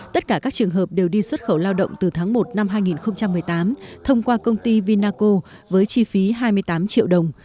tất cả các trường hợp đều đi xuất khẩu lao động từ tháng một năm hai nghìn một mươi tám thông qua công ty vinaco với chi phí hai mươi tám triệu đồng